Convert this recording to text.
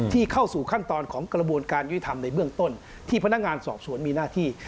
เข้าสู่ขั้นตอนของกระบวนการยุติธรรมในเบื้องต้นที่พนักงานสอบสวนมีหน้าที่